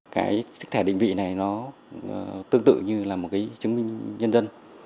cái thẻ định vị này nó tương tự như là một cái chứng minh nhân dân